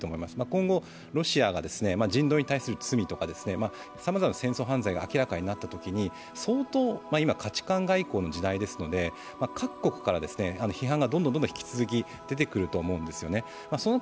今回、ロシアが人道に対する罪とかさまざまな戦争犯罪が明らかになったときに相当、今、価値観外交の時代ですので、各国から批判がどんどん引き続き出てくると思うんですよね。